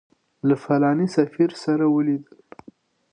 له فلاني سفیر سره ولیدل.